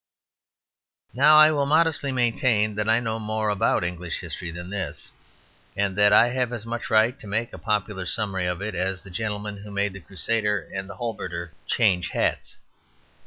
Now I will modestly maintain that I know more about English history than this; and that I have as much right to make a popular summary of it as the gentleman who made the crusader and the halberdier change hats.